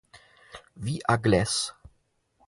We Are Glass.